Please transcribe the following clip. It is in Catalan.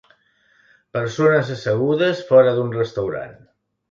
Persones assegudes fora d'un restaurant